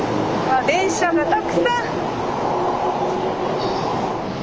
あ電車がたくさん！